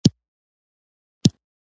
هر څوک په مزدلفه کې ازادي لري.